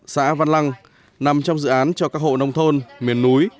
xã văn lăng nằm trong dự án cho các hộ nông thôn miền núi